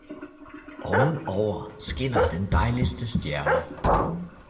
ovenover skinner den dejligste stjerne!